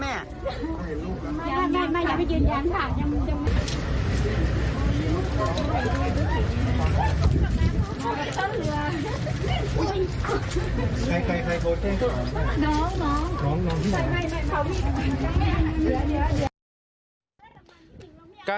แม่มีใจมากเค้ายืนยันเลยเลยใช่ไหมครับแม่